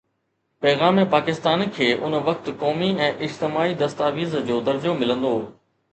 پيغام پاڪستان کي ان وقت قومي ۽ اجتماعي دستاويز جو درجو ملندو.